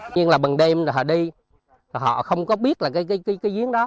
nhưng là bằng đêm là họ đi họ không có biết là cái giếng đó